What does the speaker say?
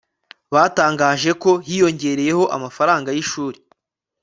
batangaje ko hiyongereyeho amafaranga y'ishuri